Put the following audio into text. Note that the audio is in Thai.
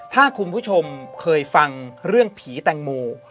ถ้าคุณผู้ชมเคยฟังเรื่องผีแตงโม